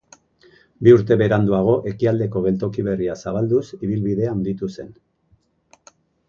Bi urte beranduago Ekialdeko Geltoki berria zabalduz ibilbidea handitu zen.